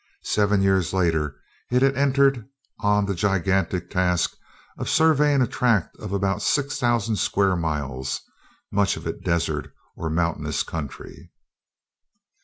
Seven years later it had entered on the gigantic task of surveying a tract of about 6,000 square miles, much of it desert or mountainous country.